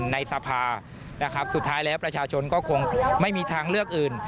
ในสภาพสุดท้ายประชาชนก็ไม่มีทางเลือกอื่น